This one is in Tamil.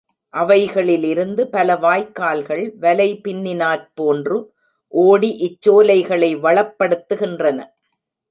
அவைகளிலிருந்து பல வாய்க்கால்கள் வலை பின்னினாற் போன்று ஓடி இச் சோலைகளை வளப்படுத்துகின்றன.